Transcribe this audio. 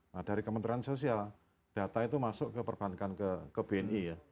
nah dari kementerian sosial data itu masuk ke perbankan ke bni ya